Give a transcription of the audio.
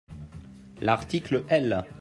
L’article L.